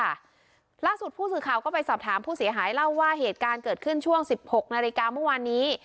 ล่าสุดผู้สื่อข่าวก็ไปสอบถามผู้เสียหายเล่าว่าเหตุการณ์เกิดขึ้นช่วงสิบหกนาฬิกาเมื่อวานนี้